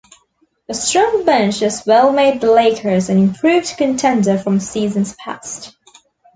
A strong bench as well made the Lakers an improved contender from seasons past.